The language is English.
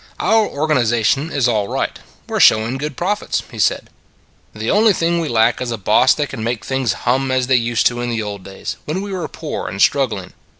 "Our organization is all right; we re showing good profits," he said. " The only thing we lack is a boss that can make things hum as they used to in the old days when we were poor and struggling.